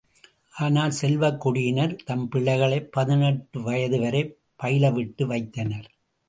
ஆனால், செல்வக் குடியினர் தம் பிள்ளைகளைப் பதினெட்டு வயது வரை பயிலவிட்டு வைத்தனர்.